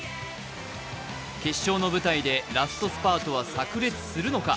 決勝の舞台でラストスパートはさく裂するのか。